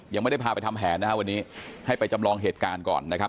ยังไม่ได้พาไปทำแผนนะครับวันนี้ให้ไปจำลองเหตุการณ์ก่อนนะครับ